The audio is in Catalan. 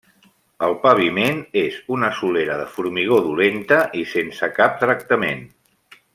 El paviment és una solera de formigó dolenta i sense cap tractament.